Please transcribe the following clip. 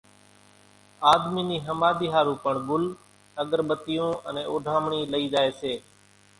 آۮمِي نِي ۿماۮِي ۿارُو پڻ ڳل، اڳر ٻتيون انين اوڍامڻي لئي زائي سي۔